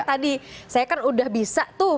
tadi saya kan udah bisa tuh